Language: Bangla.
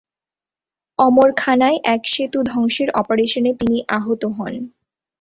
অমরখানায় এক সেতু ধ্বংসের অপারেশনে তিনি আহত হন।